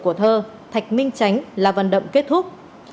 của thơ thạch minh tránh là vận động kết thúc